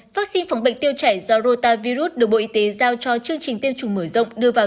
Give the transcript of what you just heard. vaccine phòng bệnh tiêu chảy do rota virus được bộ y tế giao cho chương trình tiêm chủng mở rộng đưa vào